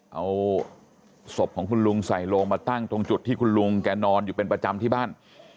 เอาศพของคุณลุงใส่โลงมาตั้งตรงจุดที่คุณลุงแกนอนอยู่เป็นประจำที่บ้าน